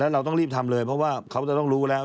เราต้องรีบทำเลยเพราะว่าเขาจะต้องรู้แล้ว